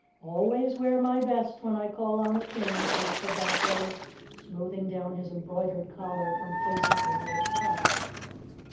"Always wear my best when I call on a King," said Kabumpo, smoothing down his embroidered collar complacently with his trunk.